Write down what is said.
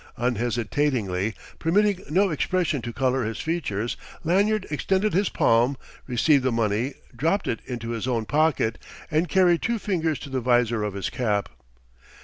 Unhesitatingly, permitting no expression to colour his features, Lanyard extended his palm, received the money, dropped it into his own pocket, and carried two fingers to the visor of his cap.